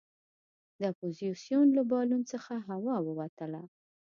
د اپوزیسون له بالون څخه هوا ووتله.